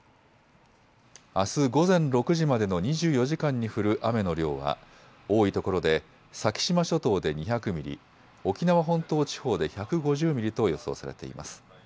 あす午前６時までの２４時間に降る雨の量は多いところで先島諸島で２００ミリ、沖縄本島地方で１５０ミリと予想されています。